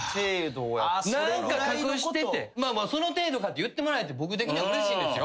「その程度か」って言ってもらえて僕的にはうれしいんですよ。